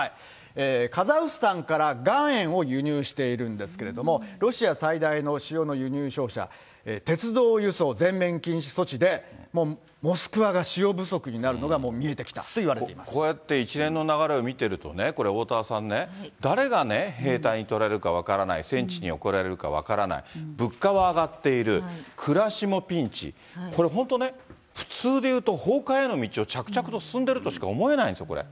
カザフスタンから岩塩を輸入してるんですけれども、ロシア最大の塩の輸入商社、鉄道輸送全面禁止措置で、もうモスクワが塩不足になるのが、こうやって一連の流れを見てるとね、これ、おおたわさんね、誰がね、兵隊に取られるか分からない、戦地に送られるか分からない、物価は上がっている、暮らしもピンチ、これ、本当ね、普通でいうと、崩壊への道を着々と進んでるとしか思えないんですよ、これ。